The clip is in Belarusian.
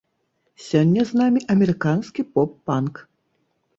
Сёння з намі амерыканскі поп-панк.